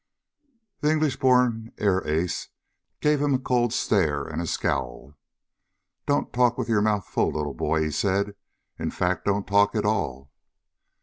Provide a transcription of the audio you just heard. The English born air ace gave him a cold stare and a scowl. "Don't talk with your mouth full, little boy!" he said. "In fact, don't talk at all."